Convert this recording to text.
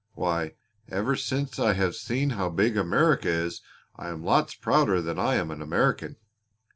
Why, ever since I have seen how big America is I am lots prouder that I am an American."